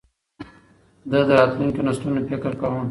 ده د راتلونکو نسلونو فکر کاوه.